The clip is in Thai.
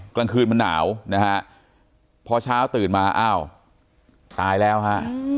กลางคืนมันหนาวนะฮะพอเช้าตื่นมาอ้าวตายแล้วฮะ